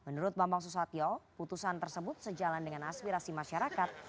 menurut bambang susatyo putusan tersebut sejalan dengan aspirasi masyarakat